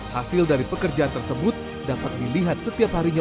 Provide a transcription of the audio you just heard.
hasil dari pekerjaan tersebut dapat dilihat setiap harinya